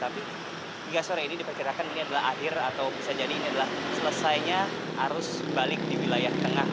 tapi hingga sore ini diperkirakan ini adalah akhir atau bisa jadi ini adalah selesainya arus balik di wilayah tengah